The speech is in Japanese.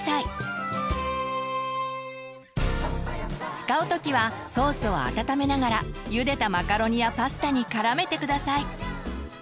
使う時はソースを温めながらゆでたマカロニやパスタに絡めて下さい。